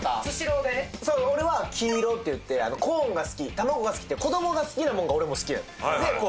スシローでねそう俺は黄色っていってコーンが好きたまごが好きって子供が好きなもんが俺も好きやね